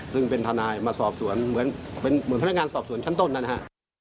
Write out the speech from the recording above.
ซึ่งเป็นธนายมาสอบสวนเหมือนพนักงานสอบสวนชั้นต้นนะฮะ